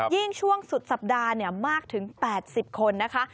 ยิ่งช่วงสุดสัปดาห์มากถึง๘๐คนนะคะ